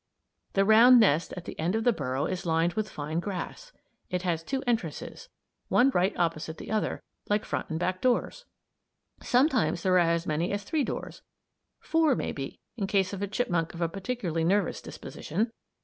The round nest at the end of the burrow is lined with fine grass. It has two entrances, one right opposite the other, like front and back doors. Sometimes there are as many as three doors; four, maybe, in case of a chipmunk of a particularly nervous disposition.